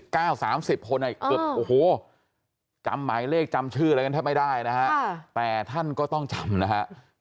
คือนี้ฐับมายเลขจำชื่อแบบไม่ได้นะครับแต่ท่านก็ต้องจำนะครับ